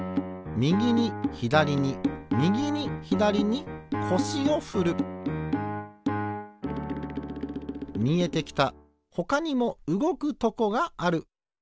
みぎにひだりにみぎにひだりにこしをふるみえてきたほかにもうごくとこがある。